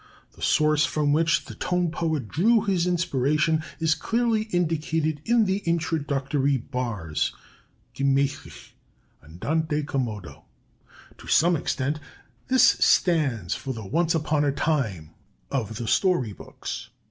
The source from which the tone poet drew his inspiration is clearly indicated in the introductory bars: Gemächlich [Andante commodo]. To some extent this stands for the 'once upon a time' of the story books.